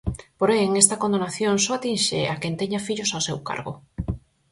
Porén, esta condonación só atinxe a quen teña fillos ao seu cargo.